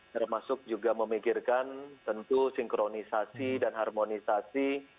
termasuk juga memikirkan tentu sinkronisasi dan harmonisasi